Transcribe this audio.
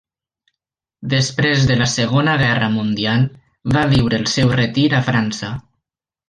Després de la Segona Guerra Mundial, va viure el seu retir a França.